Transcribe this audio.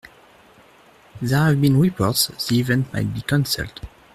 There have been reports the event might be canceled.